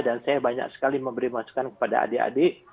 dan saya banyak sekali memberi masukan kepada adik adik